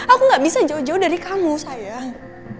aku gak bisa jauh jauh dari kamu sayang